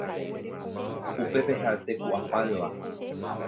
Upépe ha'ete ku apáyva